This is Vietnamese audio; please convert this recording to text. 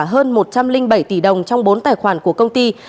hơn một trăm linh bảy tỷ đồng trong bốn tài khoản của công ty